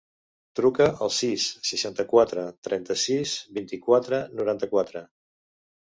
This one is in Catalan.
Truca al sis, seixanta-quatre, trenta-sis, vint-i-quatre, noranta-quatre.